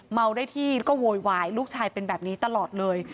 เมาได้ที่ก็โวยวายลูกชายเป็นแบบนี้ตลอดเลย